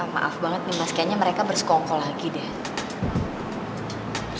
maaf banget nih mas kayaknya mereka bersekongkol lagi deh